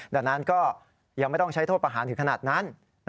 ดังนั้นก็ยังไม่ต้องใช้โทษประหารถึงขนาดนั้น